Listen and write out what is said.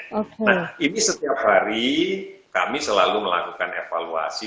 nah ini setiap hari kami selalu melakukan evaluasi